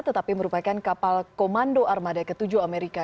tetapi merupakan kapal komando armada ke tujuh amerika